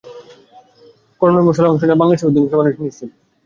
কর্মশালায় অংশ নেওয়া বাংলাদেশের নবীন শিল্পীদের সম্পর্কে তাঁর ধারণা বেশ ভালো।